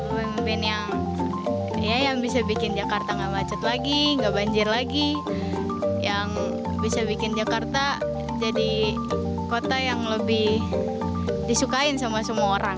pemimpin yang bisa bikin jakarta nggak macet lagi nggak banjir lagi yang bisa bikin jakarta jadi kota yang lebih disukain sama semua orang